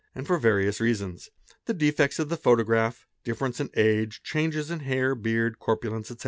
and for various reasons :—the defects of the photograph, differ ence in age, changes in hair, beard, corpulence, etc.